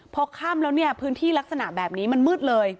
พอค่ำแล้วเนี่ยพื้นที่ลักษณะแบบนี้มันมืดเลย